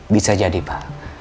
bisa jadi pa